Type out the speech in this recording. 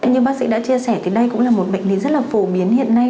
như bác sĩ đã chia sẻ đây cũng là một bệnh rất phổ biến hiện nay